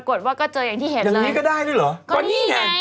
ก็นี่ไง